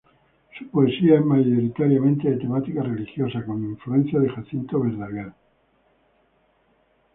Su poesía es mayoritariamente de temática religiosa, con influencias de Jacinto Verdaguer.